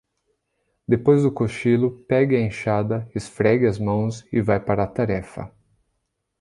Depois do cochilo, pegue a enxada, esfregue as mãos e vai para a tarefa.